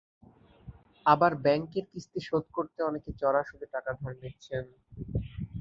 আবার ব্যাংকের কিস্তি শোধ করতে অনেকে চড়া সুদে টাকা ধার নিচ্ছেন।